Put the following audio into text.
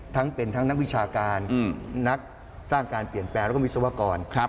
ทั้งเป็นทั้งนักวิชาการนักสร้างการเปลี่ยนแปลงแล้วก็วิศวกร